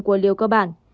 của liều cơ bản